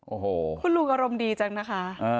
โอ้โหคุณลุงอารมณ์ดีจังนะคะ